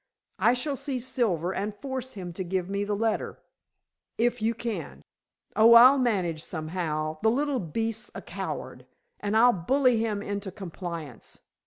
"I shall see Silver and force him to give me the letter." "If you can." "Oh, I'll manage somehow. The little beast's a coward, and I'll bully him into compliance."